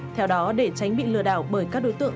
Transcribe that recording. theo đó để tránh bị lừa đảo bởi các đối tượng